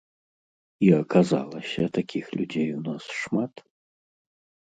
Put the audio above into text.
І аказалася, такіх людзей у нас шмат.